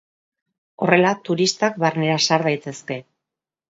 Horrela turistak barnera sar daitezke.